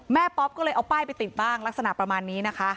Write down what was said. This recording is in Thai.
ป๊อปก็เลยเอาป้ายไปติดบ้างลักษณะประมาณนี้นะคะ